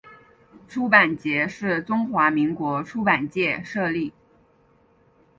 出版节是中华民国出版界设立。